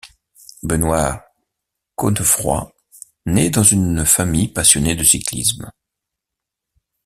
Benoît Cosnefroy naît dans une famille passionnée de cyclisme.